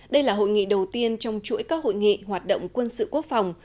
đây là hội nghị đầu tiên trong chuỗi các hội nghị hoạt động quân sự quốc phòng